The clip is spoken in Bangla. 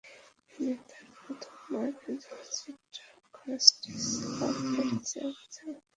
তিনি তার প্রথম মার্কিন চলচ্চিত্র ইনোসেন্টস্ অব প্যারিস-এ অভিনয় করেন।